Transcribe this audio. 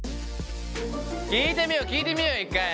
聞いてみよう聞いてみよう一回。